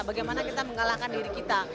bagaimana kita mengalahkan diri kita